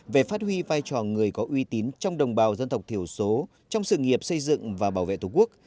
về phát huy vai trò người có uy tín trong đồng bào dân tộc thiểu số trong sự nghiệp xây dựng và bảo vệ tổ quốc